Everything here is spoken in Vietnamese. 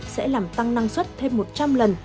sẽ làm tăng năng suất thêm một trăm linh lần